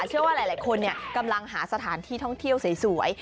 เชื่อว่าหลายคนกำลังหาสถานที่ท่องเที่ยวสวย